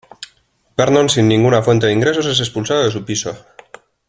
Vernon, sin ninguna fuente de ingresos, es expulsado de su piso.